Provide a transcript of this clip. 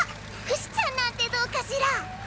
ふしちゃんなんてどうかしら？